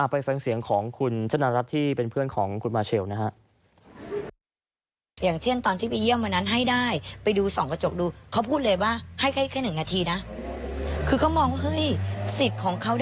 ไปฟังเสียงของคุณชนะรัฐที่เป็นเพื่อนของคุณมาเชลนะฮะ